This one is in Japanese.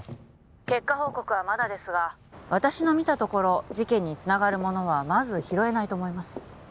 ☎結果報告はまだですが私の見たところ事件につながるものはまず拾えないと思います